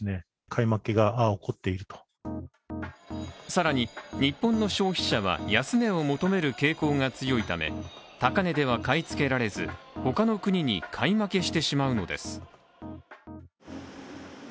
更に日本の消費者は安値を求める傾向が強いため高値では買いつけられず他の国に買い負けしてしまうのです。